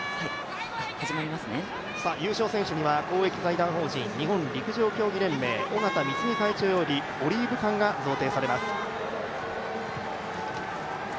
優勝選手には公益財団法人日本陸上競技連盟、尾縣貢会長よりオリーブ冠が贈呈されます。